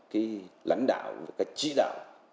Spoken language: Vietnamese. cái lãnh đạo cái chỉ đạo